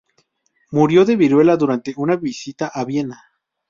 Murió de viruela durante una visita a Viena.